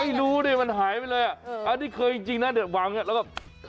ไม่รู้เลยมันหายไปเลยอะอันที่เคยจริงวั้งเนี่ย